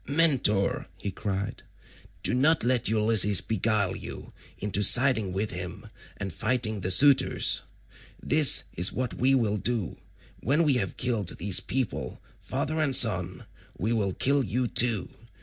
"Mentor," he cried, "do not let Ulysses beguile you into siding with him and fighting the suitors. This is what we will do: when we have killed these people, father and son, we will kill you too.